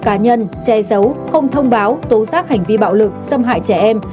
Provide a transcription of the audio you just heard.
xử lý nghiêm cơ quan tổ chức cá nhân che giấu không thông báo tố xác hành vi bạo lực xâm hại trẻ em